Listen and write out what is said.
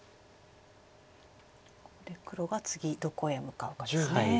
ここで黒が次どこへ向かうかですね。